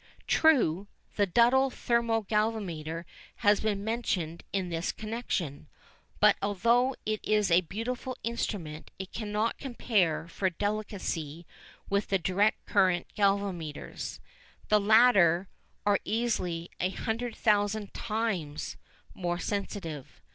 True, the Duddell thermo galvanometer has been mentioned in this connection, but although it is a beautiful instrument it cannot compare for delicacy with the direct current galvanometers. The latter are easily a hundred thousand times more sensitive.